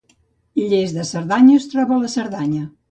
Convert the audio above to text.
Lles de Cerdanya es troba a la Cerdanya